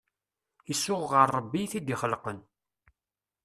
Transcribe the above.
Isuɣ ɣer Rebbi i t-id-ixelqen.